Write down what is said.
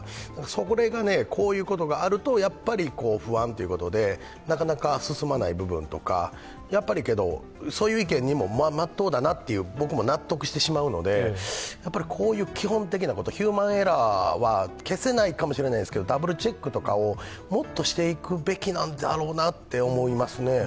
それがこういうことがあるとやっぱり不安ということでなかなか進まない部分とかそういう意見にも、真っ当だなと僕も納得してしまうのでこういう基本的なことヒューマンエラーは消せないかもしれないですけどダブルチェックとかをもっとしていくべきなんだろうなと思いますね。